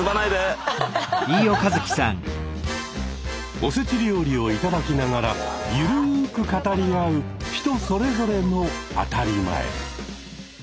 おせち料理を頂きながらゆるく語り合う人それぞれの「当たり前」。